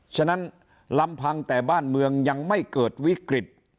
ฉะนั้นลำพังแต่บ้านเมืองยังไม่เกิดวิกฤต